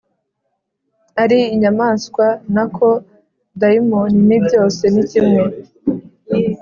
ari inyamaswa nako Dayimonibyose nikimwe